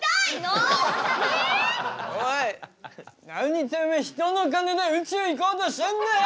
おい何てめえ人の金で宇宙行こうとしてんだよ！